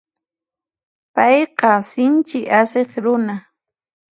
Payqa sinchi asiq runa.